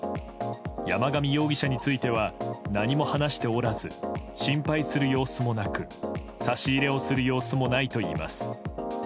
山上容疑者については何も話しておらず心配する様子もなく差し入れをする様子もないといいます。